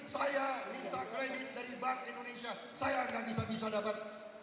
saya minta kredit dari bank indonesia saya nggak bisa bisa dapat